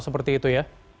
seperti itu ya